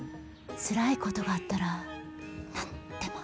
つらいことがあったら何でも話してね。